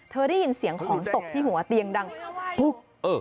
ได้ยินเสียงของตกที่หัวเตียงดังพึก